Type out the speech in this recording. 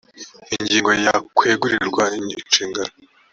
ingingo ya kwegurirwa inshingano